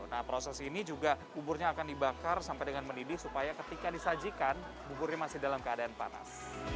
nah proses ini juga buburnya akan dibakar sampai dengan mendidih supaya ketika disajikan buburnya masih dalam keadaan panas